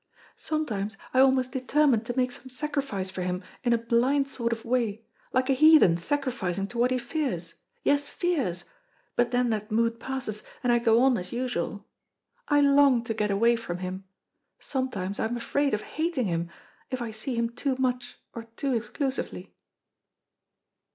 Sometimes I almost determine to make some sacrifice for him in a blind sort of way, like a heathen sacrificing to what he fears, yes, fears, but then that mood passes and I go on as usual. I long to get away from him. Sometimes I am afraid of hating him, if I see him too much or too exclusively."